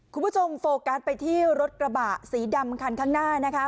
โฟกัสไปที่รถกระบะสีดำคันข้างหน้านะคะ